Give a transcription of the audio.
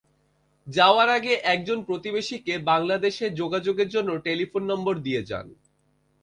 যাওয়ার আগে একজন প্রতিবেশীকে বাংলাদেশে যোগাযোগের জন্য টেলিফোন নম্বর দিয়ে যান।